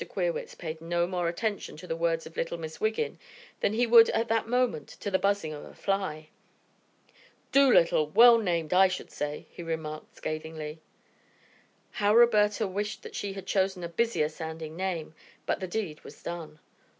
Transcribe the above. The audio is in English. Queerwitz paid no more attention to the words of little Miss Wiggin than he would at that moment to the buzzing of a fly. "Dolittle, well named, I should say," he remarked scathingly. How Roberta wished that she had chosen a busier sounding name, but the deed was done.